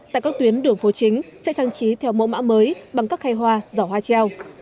tại các tuyến đường phố chính sẽ trang trí theo mẫu mã mới bằng các khay hoa giỏ hoa treo